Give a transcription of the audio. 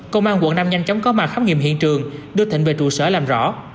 công an quận năm nhanh chóng có mặt khám nghiệm hiện trường đưa thịnh về trụ sở làm rõ